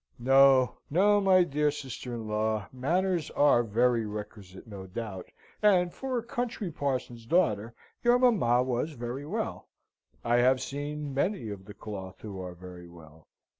No, no, my dear sister in law! Manners are very requisite, no doubt, and, for a country parson's daughter, your mamma was very well I have seen many of the cloth who are very well.